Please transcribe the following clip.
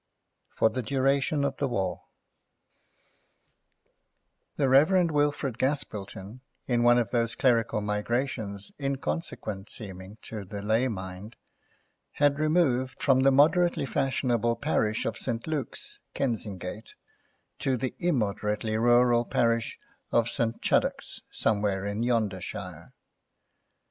FOR THE DURATION OF THE WAR The Rev. Wilfrid Gaspilton, in one of those clerical migrations inconsequent seeming to the lay mind, had removed from the moderately fashionable parish of St. Luke's, Kensingate, to the immoderately rural parish of St. Chuddocks, somewhere in Yondershire.